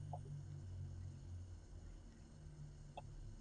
This is a bitter wind!